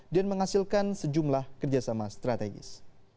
dan menghasilkan sejumlah kerjasama strategis